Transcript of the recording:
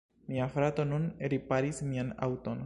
Mia frato nun riparis mian aŭton.